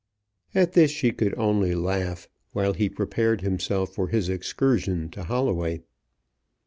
At this she could only laugh, while he prepared himself for his excursion to Holloway.